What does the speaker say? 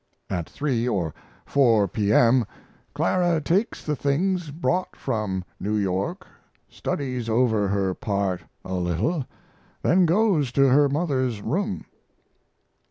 At 3 or 4 P.M. Clara takes the things brought from New York, studies over her part a little, then goes to her mother's room.